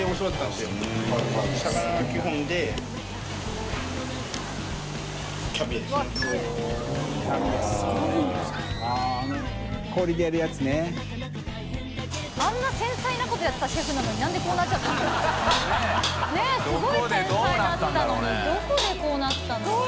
すごい繊細だったのにどこでこうなったんだろう？